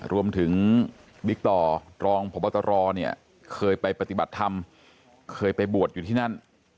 รวมถึงบิ๊กต่อรองพบตรเนี่ยเคยไปปฏิบัติธรรมเคยไปบวชอยู่ที่นั่น